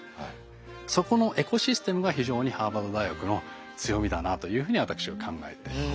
そこのエコシステムが非常にハーバード大学の強みだなというふうに私は考えています。